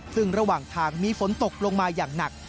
ซึ่งระหว่างทางมีฝนตกลงมาอย่างหนัก